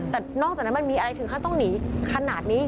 แต่นอกจากนั้นมันมีอะไรถึงขั้นต้องหนีขนาดนี้